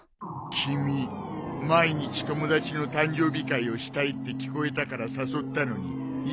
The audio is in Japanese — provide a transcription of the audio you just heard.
君毎日友達の誕生日会をしたいって聞こえたから誘ったのに嫌そうだな。